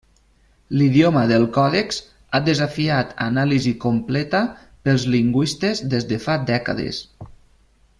L'idioma del còdex ha desafiat anàlisi completa pels lingüistes des de fa dècades.